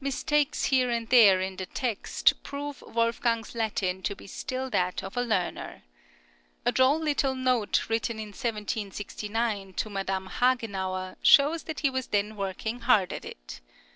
Mistakes here and there in the text prove Wolfgang's Latin to be still that of a learner. A droll little note written in 1769, to Madame Hagenauer, shows that he was then working hard at it.